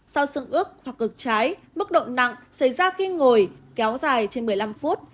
sau sưng ước hoặc cực trái mức độ nặng xảy ra khi ngồi kéo dài trên một mươi năm phút